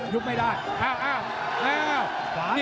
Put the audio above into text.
ยุบไม่ได้อ้าว